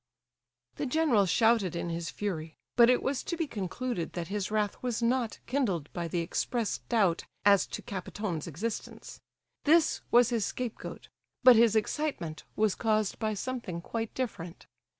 The general shouted in his fury; but it was to be concluded that his wrath was not kindled by the expressed doubt as to Kapiton's existence. This was his scapegoat; but his excitement was caused by something quite different.